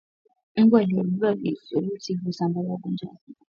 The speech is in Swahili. Mbu aliyebeba virusi husambaza ugonjwa wa homa ya bonde la ufa